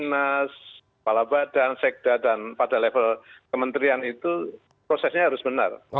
dinas kepala badan sekda dan pada level kementerian itu prosesnya harus benar